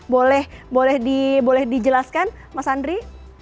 boleh dijelaskan mas andri